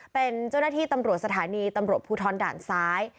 เป็นเจ้าหน้าที่ตำรวจสถานีตำรวจภูทรด่านซ้าย